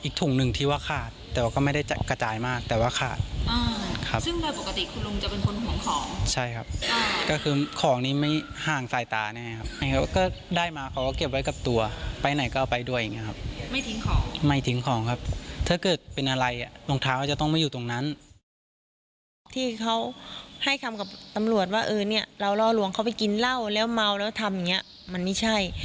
คือเนี่ยเรารอหลวงเขาไปกินเหล้าแล้วเมาแล้วทำอย่างเงี้ยมันไม่ใช่